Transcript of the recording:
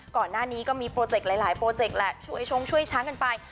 ก่อนหน้านี้ก็มีโปรเจกต์หลายโปรเจกต์แหละช่วยชงช่วยช้างกันไป